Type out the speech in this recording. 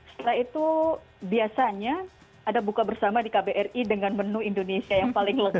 setelah itu biasanya ada buka bersama di kbri dengan menu indonesia yang paling lezat